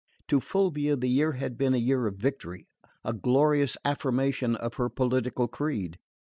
To Fulvia the year had been a year of victory, a glorious affirmation of her political creed.